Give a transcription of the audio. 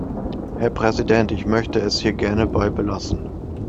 Herr Präsident, ich möchte es hier gerne bei belassen.